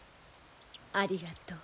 ありがとう。